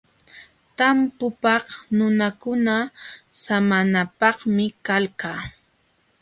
Tampukaq nunakuna samanapaqmi kalqa.